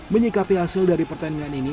menyikapi hasil dari pertandingan ini